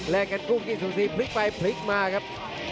แล้วกันกลุ่มกี่ศูนย์พลิกไปพลิกมาครับ